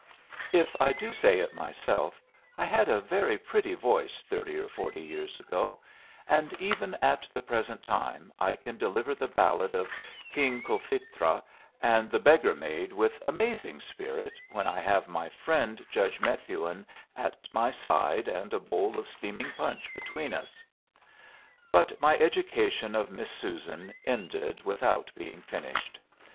If I do say it myself, I had a very pretty voice thirty or forty years ago, and even at the present time I can deliver the ballad of King Cophetua and the beggar maid with amazing spirit when I have my friend Judge Methuen at my side and a bowl of steaming punch between us. But my education of Miss Susan ended without being finished.